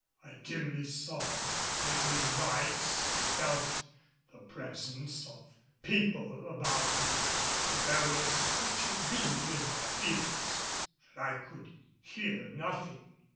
I dimly saw flickering lights and felt the presence of people about me, but there was such a ringing in my ears that I could hear nothing.